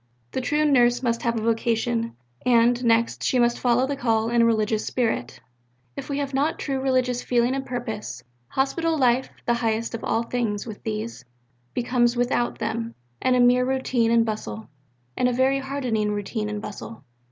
The true Nurse must have a vocation; and, next, she must follow the call in a religious spirit. "If we have not true religious feeling and purpose, Hospital life, the highest of all things with these, becomes without them a mere routine and bustle, and a very hardening routine and bustle."